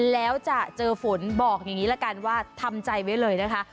แล้วจะเจอฝนบอกอย่างนี้ละกันว่าทำใจไว้เลยนะคะ